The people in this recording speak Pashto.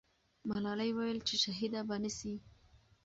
ملالۍ وویل چې شهیده به نه سي.